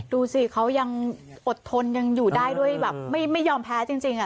ดูสิเขายังอดทนยังอยู่ได้ด้วยแบบไม่ยอมแพ้จริง